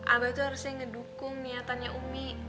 abah itu harusnya ngedukung niatannya umi